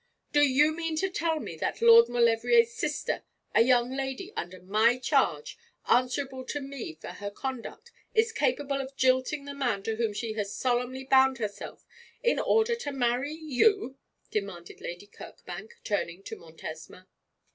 'Do you mean to tell me that Lord Maulevrier's sister, a young lady under my charge, answerable to me for her conduct, is capable of jilting the man to whom she has solemnly bound herself, in order to marry you?' demanded Lady Kirkbank, turning to Montesma.